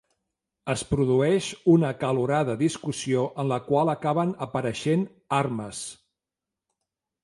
Es produeix una acalorada discussió en la qual acaben apareixent armes.